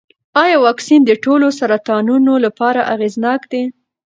ایا واکسین د ټولو سرطانونو لپاره اغېزناک دی؟